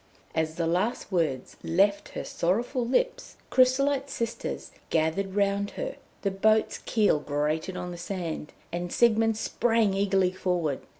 As the last words left her sorrowful lips, Chrysolite's sisters gathered round her; the boat's keel grated on the sand, and Siegmund sprang eagerly forward.